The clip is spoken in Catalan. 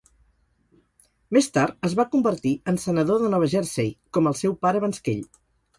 Més tard es va convertir en senador de Nova Jersey, com el seu pare abans que ell.